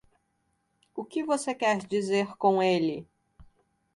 O que você quer dizer com ele?